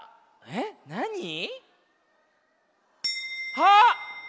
あっ！